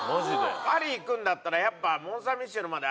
パリ行くんだったらやっぱモン・サン・ミシェルまで。